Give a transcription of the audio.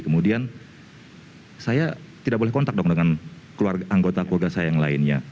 kemudian saya tidak boleh kontak dong dengan anggota keluarga saya yang lainnya